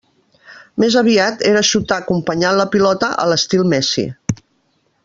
Més aviat era xutar acompanyant la pilota, a l'estil Messi.